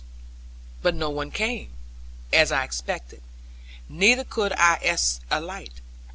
But no one came, as I expected, neither could I espy a light.